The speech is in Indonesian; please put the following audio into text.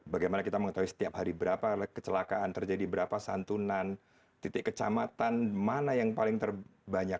bagaimana kita mengetahui setiap hari berapa kecelakaan terjadi berapa santunan titik kecamatan mana yang paling terbanyak